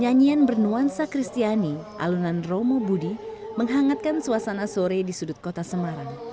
nyanyian bernuansa kristiani alunan romo budi menghangatkan suasana sore di sudut kota semarang